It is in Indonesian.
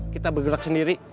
kita bergerak sendiri